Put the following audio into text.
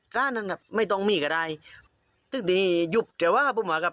จ้านั่นแหละไม่ต้องมีก็ได้ซึ่งดีหยุบเจ้าว่าผมอะครับ